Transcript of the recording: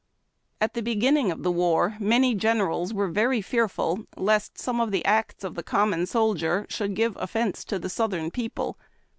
At the beginning of the war many generals were very fearful lest some of the acts of the common soldier should give offence to the Southern people.